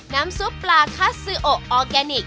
ซุปปลาคัสซิโอออร์แกนิค